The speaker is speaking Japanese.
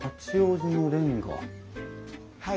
はい。